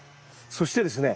そしてですね